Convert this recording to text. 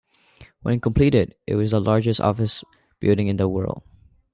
When completed, it was the largest office building in the world.